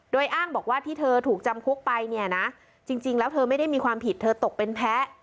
โดยอ้างบอกว่าที่เธอถูกจำคุกไปเนี่ยนะจริงแล้วเธอไม่ได้มีความผิดเธอตกเป็นแพ้